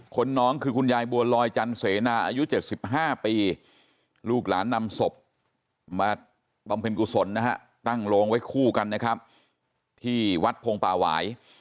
น้องคือคุณยายบัวลอยจันเสนาอายุ๗๕ปีลูกหลานนำศพมาบำเพ็ญกุศลนะฮะตั้งโรงไว้คู่กันนะครับที่วัดพงป่าหวาย